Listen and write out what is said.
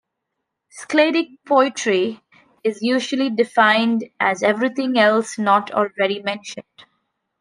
Skaldic poetry is usually defined as everything else not already mentioned.